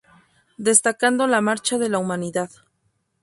Destacando La Marcha de la Humanidad.